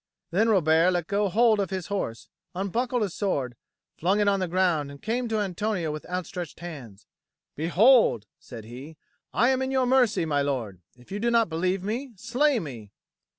Then Robert let go hold of his horse, unbuckled his sword, flung it on the ground, and came to Antonio with outstretched hands. "Behold!" said he; "I am in your mercy, my lord. If you do not believe me, slay me."